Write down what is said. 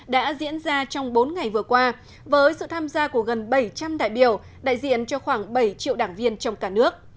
đã diễn ra trong bốn ngày vừa qua với sự tham gia của gần bảy trăm linh đại biểu đại diện cho khoảng bảy triệu đảng viên trong cả nước